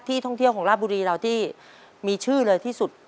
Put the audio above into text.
ท่องเที่ยวของลาบบุรีเราที่มีชื่อเลยที่สุด